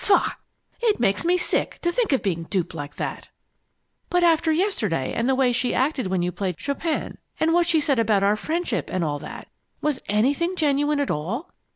Faugh! It makes me sick to think of being duped like that!" "But after yesterday and the way she acted when you played Chopin, and what she said about our friendship, and all that Was anything genuine at all?"